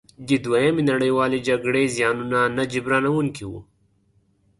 د دویمې نړیوالې جګړې زیانونه نه جبرانیدونکي وو.